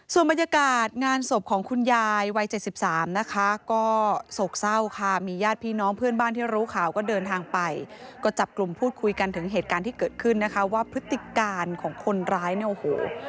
ส่วนบรรยากาศงานศพของคุณยายวัย๗๓นะคะก็โศกเศร้าค่ะมีญาติพี่น้องเพื่อนบ้านที่รู้ข่าวก็เดินทางไปก็จับกลุ่มพูดคุยกันถึงเหตุการณ์ที่เกิดขึ้นนะคะว่าพฤติการของคนร้ายเนี่ยโอ้โห